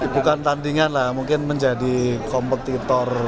bukan tandingan lah mungkin menjadi kompetitor